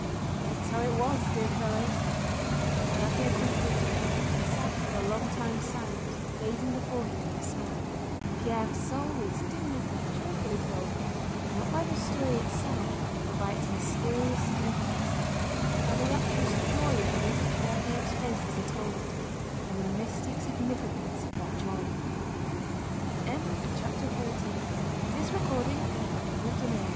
That's how it was, dear fellows!" Karatáev concluded and sat for a long time silent, gazing before him with a smile. And Pierre's soul was dimly but joyfully filled not by the story itself but by its mysterious significance: by the rapturous joy that lit up Karatáev's face as he told it, and the mystic significance of that joy. CHAPTER XIV "À vos places!" * suddenly cried a voice.